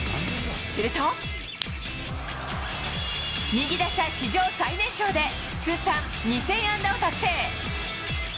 すると、右打者史上最年少で通算２０００安打を達成。